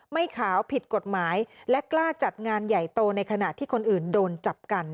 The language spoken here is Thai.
ไม่ขาวผิดกฎหมายและกล้าจัดงานใหญ่โตในขณะที่คนอื่นโดนจับกัน